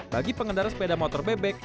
bagi pengendara sepeda motor bebek